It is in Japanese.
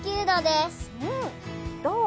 どう？